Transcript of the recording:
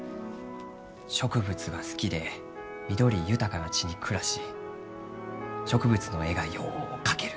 植物が好きで緑豊かな地に暮らし植物の絵がよう描ける。